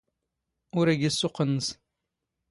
ⵓⵔ ⵉⴳⵉ ⵙⵙⵓⵇⵇ ⵏⵏⵙ.